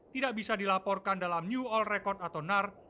tidak bisa dilaporkan dalam new all record atau nar